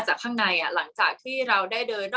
กากตัวทำอะไรบ้างอยู่ตรงนี้คนเดียว